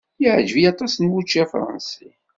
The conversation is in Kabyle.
Yeɛjeb-iyi aṭas wučči afṛansi.